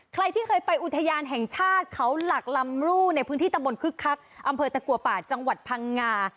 ใครที่เคยไปอุทยานแห่งชาติเขาหลักลำรูในพื้นที่ตำบลคึกคักอำเภอตะกัวป่าจังหวัดพังงา